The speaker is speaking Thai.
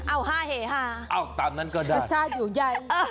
อ้าว๕เฮ่ห้าจัดอยู่ใหญ่เออตามนั้นก็ได้